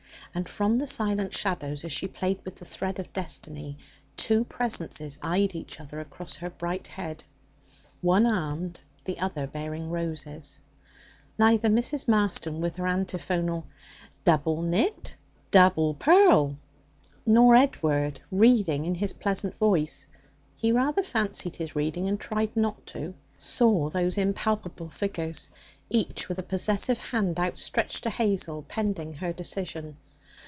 And from the silent shadows, as she played with the thread of destiny, two presences eyed each other across her bright head one armed, the other bearing roses. Neither Mrs. Marston, with her antiphonal 'Double knit, double purl!' nor Edward, reading in his pleasant voice he rather fancied his reading, and tried not to saw those impalpable figures, each with a possessive hand outstretched to Hazel pending her decision.